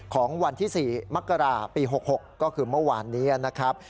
ของวันที่๔มกราปี๖๖ก็คือเมื่อวานนี้นะครับ